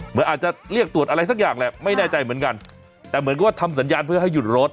เหมือนอาจจะเรียกตรวจอะไรสักอย่างแหละไม่แน่ใจเหมือนกันแต่เหมือนก็ทำสัญญาณเพื่อให้หยุดรถ